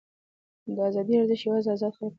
د ازادۍ ارزښت یوازې ازاد خلک پوهېږي.